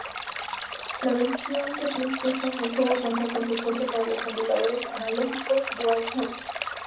La versión de PlayStation del juego cuenta con soporte para los controladores analógicos DualShock.